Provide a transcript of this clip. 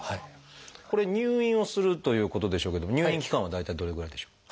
これ入院をするということでしょうけども入院期間は大体どれぐらいでしょう？